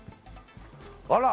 あら！